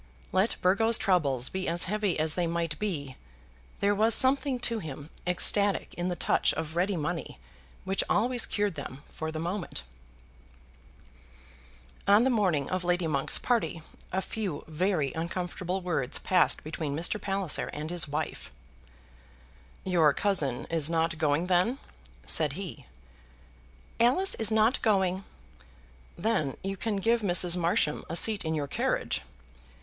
Let Burgo's troubles be as heavy as they might be, there was something to him ecstatic in the touch of ready money which always cured them for the moment. [Illustration: "All right," said Burgo, as he thrust the money into his breast pocket.] On the morning of Lady Monk's party a few very uncomfortable words passed between Mr. Palliser and his wife. "Your cousin is not going, then?" said he. "Alice is not going." "Then you can give Mrs. Marsham a seat in your carriage?"